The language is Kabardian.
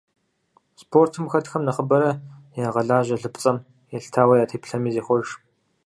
Спортым хэтхэм нэхъыбэрэ ягъэлажьэ лыпцӏэм елъытауэ я теплъэми зехъуэж.